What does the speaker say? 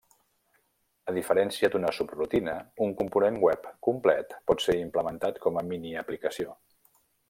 A diferència d'una subrutina, un component web complet pot ser implementat com a miniaplicació.